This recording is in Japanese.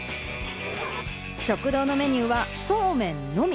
食堂のメニューは、そうめんのみ。